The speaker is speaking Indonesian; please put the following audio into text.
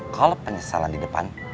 kalau penyesalan di depan